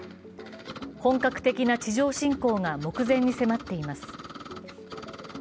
本格的な地上侵攻が目前に迫っています。